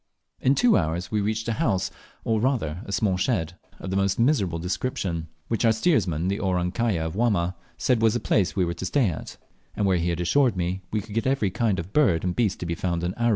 In two hours we reached a house, or rather small shed, of the most miserable description, which our steersman, the "Orang kaya" of Wamma, said was the place we were to stay at, and where he had assured me we could get every kind of bird and beast to be found in Aru.